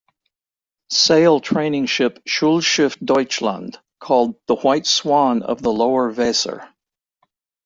Sail training ship "Schulschiff Deutschland", called "The White Swan of the Lower-Weser".